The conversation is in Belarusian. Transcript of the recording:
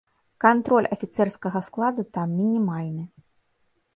Кантроль афіцэрскага складу там мінімальны.